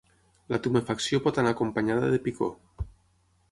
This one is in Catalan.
La tumefacció pot anar acompanyada de picor.